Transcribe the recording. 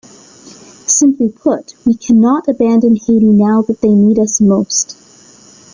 Simply put, we cannot abandon Haiti now that they need us most.